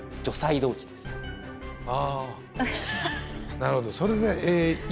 なるほどそれでＡＥＤ。